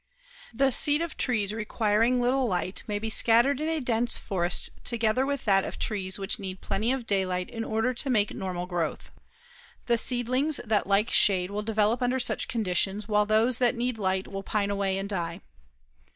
The seed of trees requiring little light may be scattered in a dense forest together with that of trees which need plenty of daylight in order to make normal growth. The seedlings that like shade will develop under such conditions while those that need light will pine away and die.